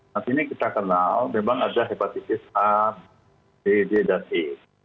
nah ini kita kenal memang ada hepatitis a b d dan e